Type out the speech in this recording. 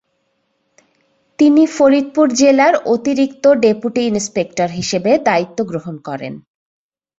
তিনি ফরিদপুর জেলার অতিরিক্ত ডেপুটি ইন্সপেক্টর হিসেবে দায়িত্ব গ্রহণ করেন।